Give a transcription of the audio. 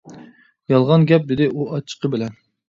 يالغان گەپ، دېدى ئۇ ئاچچىقى بىلەن.